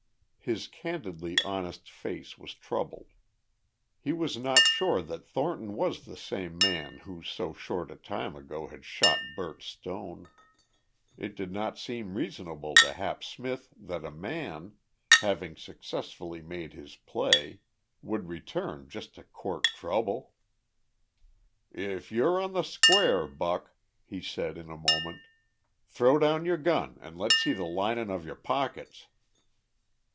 His candidly honest face was troubled. He was not sure that Thornton was the same man who so short a time ago had shot Bert Stone. It did not seem reasonable to Hap Smith that a man, having successfully made his play, would return just to court trouble. "If you're on the square, Buck," he said in a moment, "throw down your gun an' let's see the linin' of your pockets!"